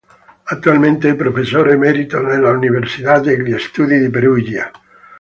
Attualmente è professore emerito dell'Università degli Studi di Perugia.